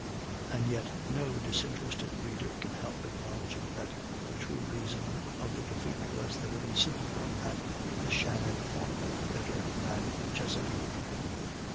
And yet no disinterested reader can help acknowledging that the true reason of the defeat was the very simple one that the Shannon fought better than the Chesapeake.